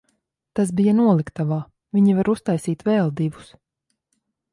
Tas bija noliktavā, viņi var uztaisīt vēl divus.